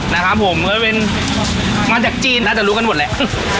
นะครับผมก็เป็นมาจากจีนน่าจะรู้กันหมดแหละ